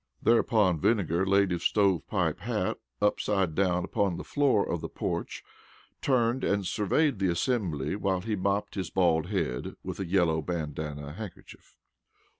Thereupon Vinegar laid his stove pipe hat upside down upon the floor of the porch, turned and surveyed the assembly while he mopped his bald head with a yellow bandana handkerchief.